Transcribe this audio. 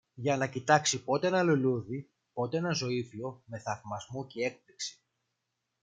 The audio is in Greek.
για να κοιτάξει πότε ένα λουλούδι, πότε ένα ζωύφιο, με θαυμασμό κι έκπληξη